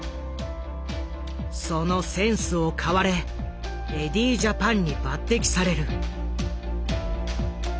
そのセンスを買われエディー・ジャパンに抜擢される。